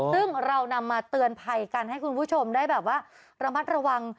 ซึ่งเรานำมาเตือนภัยกันให้คุณผู้ชมได้แบบว่าระมัดระวัง